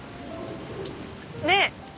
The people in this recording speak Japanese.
ねえ。